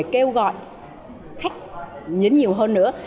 kêu gọi khách nhín nhiều hơn nữa